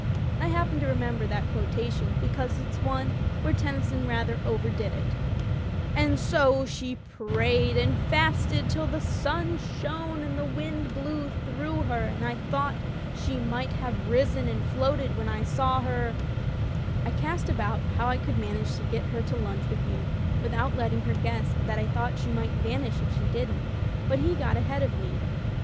I happen to re member that quotation because it's one where Tennyson rather overdid it — And so she prayed and fasted, till the sun Shone, and the wind blew, through her, and I thought She might have risen and floated when I saw her — I cast about how I could manage to get her to lunch with me without letting her guess that I thought she might vanish if she didn't, but he got ahead of me.